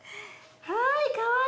はいかわいい。